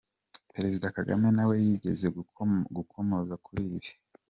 Perezida Kagame nawe yigeze gukomoza kuri ibi.